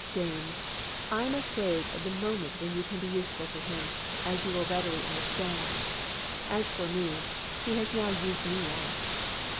Dame ! I'm afraid of the moment when you can be useful to him, as you will readily understand! As for me, he has now used me up!"